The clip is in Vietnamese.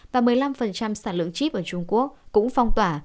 và một mươi năm sản lượng chip ở trung quốc cũng phong tỏa